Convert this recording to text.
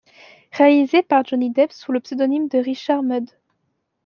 Réalisé par Johnny Depp sous le pseudonyme de Richard Mudd.